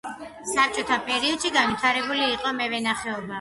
საბჭოთა პერიოდში განვითარებული იყო მევენახეობა.